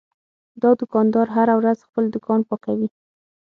دا دوکاندار هره ورځ خپل دوکان پاکوي.